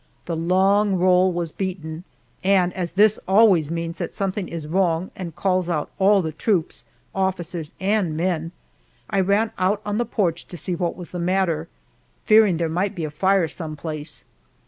The long roll was beaten, and as this always means that something is wrong and calls out all the troops, officers and men, I ran out on the porch to see what was the matter, fearing there might be a fire some place.